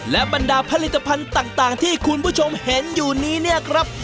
และบรรดาผลิตภัณฑ์ต่างที่คุณผู้ชมเห็นอยู่นี้เนี่ยครับ